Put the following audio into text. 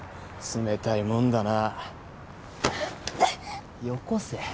冷たいもんだな。よこせ。